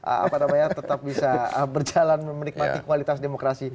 apa namanya tetap bisa berjalan menikmati kualitas demokrasi